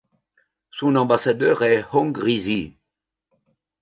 Son ambassadeur est Hong Ri-si.